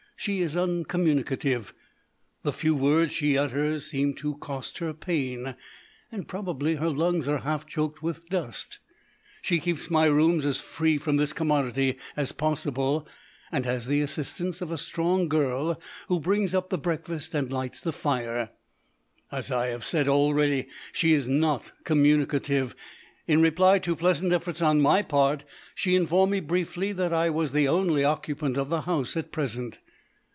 She is uncommunicative. The few words she utters seem to cost her pain. Probably her lungs are half choked with dust. She keeps my rooms as free from this commodity as possible, and has the assistance of a strong girl who brings up the breakfast and lights the fire. As I have said already, she is not communicative. In reply to pleasant efforts on my part she informed me briefly that I was the only occupant of the house at present.